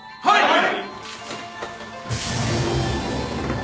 はい！